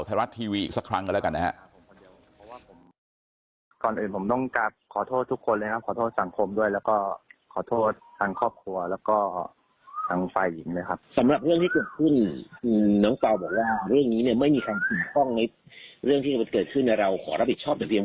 รัฐทีวีอีกสักครั้งกันแล้วกันนะฮะ